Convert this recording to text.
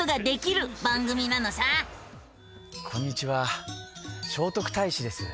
こんにちは聖徳太子です。